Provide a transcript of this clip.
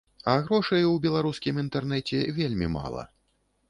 А грошай у беларускім інтэрнэце вельмі мала.